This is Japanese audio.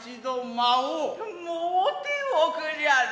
舞うておくりゃれ。